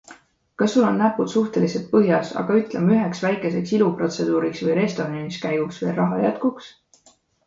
Kas sul on näpud suhteliselt põhjas, aga ütleme, üheks väikeseks iluprotseduuriks või restoraniskäiguks veel raha jätkuks?